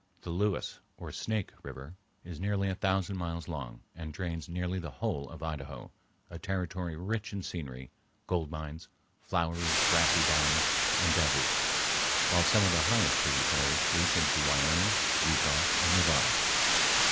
The Lewis, or Snake, River is nearly a thousand miles long and drains nearly the whole of Idaho, a territory rich in scenery, gold mines, flowery, grassy valleys, and deserts, while some of the highest tributaries reach into Wyoming, Utah, and Nevada.